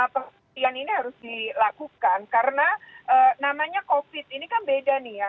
pengektian ini harus dilakukan karena namanya covid ini kan beda nih ya